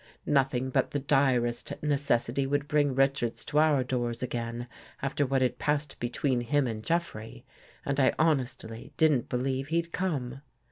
Nothing but the direst necessity would bring Richards to our doors again after what had passed between him and Jeffrey and I honestly didn't believe he'd come.